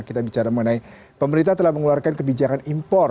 kita bicara mengenai pemerintah telah mengeluarkan kebijakan impor